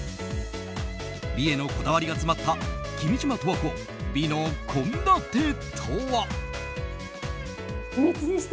美へのこだわりが詰まった君島十和子、美の献立とは？